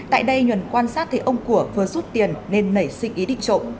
tại đây nhuần quan sát thấy ông của vừa rút tiền nên nảy sinh ý định trộm